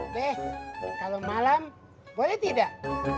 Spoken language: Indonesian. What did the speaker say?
teh kalau malam boleh tidak